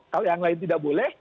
kalau yang lain tidak boleh